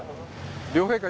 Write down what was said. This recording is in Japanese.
両陛下